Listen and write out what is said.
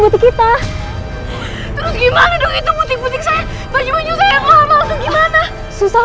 butik kita terus gimana dong itu butik butik saya baju baju saya mau hamalkan gimana susah